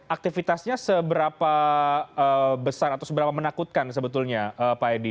aktivitasnya seberapa besar atau seberapa menakutkan sebetulnya pak edi